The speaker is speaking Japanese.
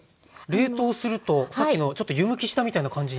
冷凍するとさっきのちょっと湯むきしたみたいな感じに。